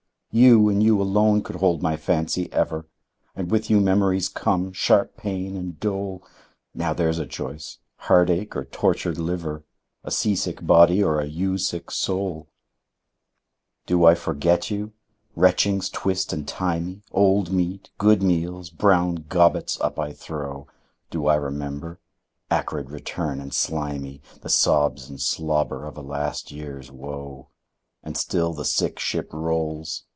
You, you alone could hold my fancy ever! And with you memories come, sharp pain, and dole. Now there's a choice heartache or tortured liver! A sea sick body, or a you sick soul! Do I forget you? Retchings twist and tie me, Old meat, good meals, brown gobbets, up I throw. Do I remember? Acrid return and slimy, The sobs and slobber of a last years woe. And still the sick ship rolls.